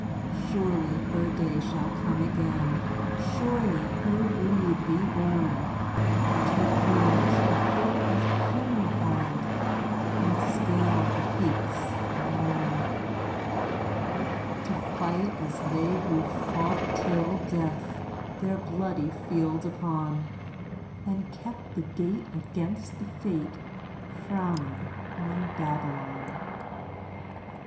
Surely her day shall come again, surely her breed be born To urge the hope of humankind and scale the peaks of morn To fight as they who fought till death their bloody field upon, And kept the gate against the Fate frowning on Babylon.